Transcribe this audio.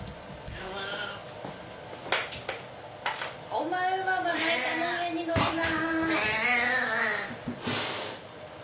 お前はまな板の上に乗るな！